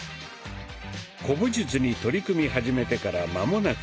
古武術に取り組み始めてからまもなく２か月。